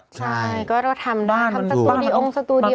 ใช่ก็ต้องทำบ้านทำสตูดิโอสตูดิโอ